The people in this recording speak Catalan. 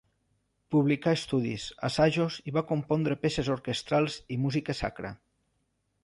Publicà estudis, assajos i va compondre peces orquestrals i música sacra.